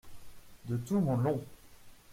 De tout mon long.